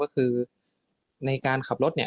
ก็คือในการขับรถ